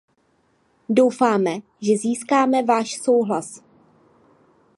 Doufáme, že získáme váš souhlas.